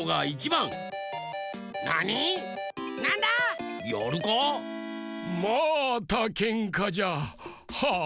またけんかじゃ。はあ。